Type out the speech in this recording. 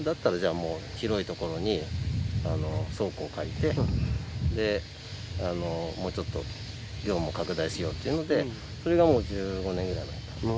もう広いところに倉庫を借りてもうちょっと業務を拡大しようっていうのでそれがもう１５年くらい前か。